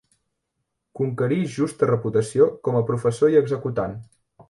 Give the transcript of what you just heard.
Conquerí justa reputació com a professor i executant.